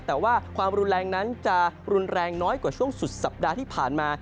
แต่ว่าความรุนแรงนั้นจะรุนแรงน้อยกว่าช่วงสุดสัปดาห์ที่ผ่านมา